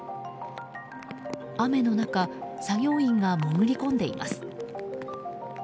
雨の中作業員が潜り込んでいます。